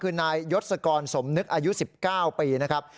คือนายยศกรสมนึกอายุ๑๙ปีนะครับ